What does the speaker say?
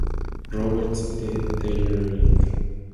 Roberts, de Darjeeling.